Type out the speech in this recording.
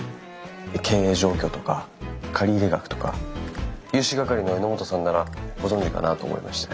経営状況とか借入額とか融資係の榎本さんならご存じかなと思いまして。